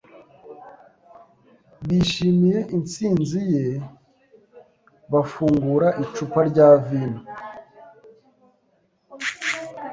Bishimiye intsinzi ye bafungura icupa rya vino.